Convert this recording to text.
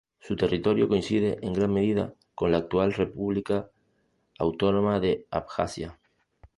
Su territorio coincide en gran medida con la actual república autónoma de Abjasia.